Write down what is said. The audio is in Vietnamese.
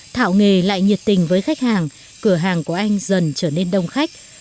thảo nghề lại nhiệt tình với khách hàng cửa hàng của anh dần trở nên đông khách